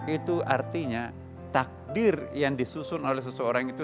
itu artinya takdir yang disusun oleh seseorang itu